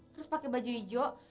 terus pake baju hijau